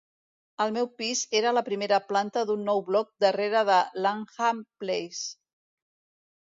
El meu pis era a la primera planta d'un nou bloc darrere de Langham Place.